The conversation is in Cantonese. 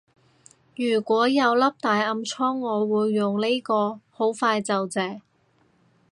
如果有粒大暗瘡我會用呢個，好快就謝